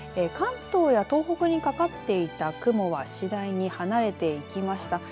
関東や東北にかかっていた雲は次第に離れていきました。